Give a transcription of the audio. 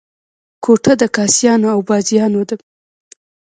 کوټه د کاسيانو او بازیانو ده.